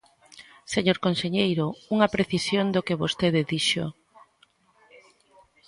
Señor conselleiro, unha precisión do que vostede dixo.